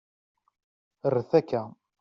Rret akka